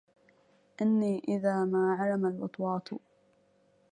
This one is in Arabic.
إني إذا ما عرم الوطواط